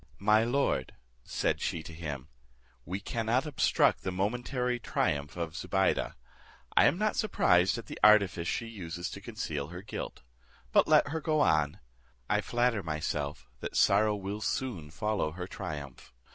"My lord," said she to him, "we cannot obstruct the momentary triumph of Zobeide. I am not surprised at the artifice she uses to conceal her guilt: but let her go on; I flatter myself that sorrow will soon follow her triumph.